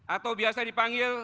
atau biasa dipanggil